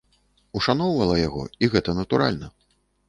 Ушаноўвала яго, і гэта натуральна.